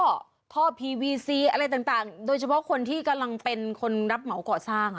ท่อพีวีซีอะไรต่างโดยเฉพาะคนที่กำลังเป็นคนรับเหมาก่อสร้าง